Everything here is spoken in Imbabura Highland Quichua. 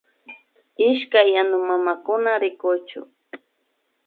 Ishkay yanuk mamakuna rikuchu